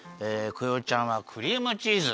クヨちゃんはクリームチーズ。